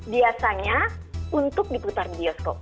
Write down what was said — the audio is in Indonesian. biasanya untuk diputar di bioskop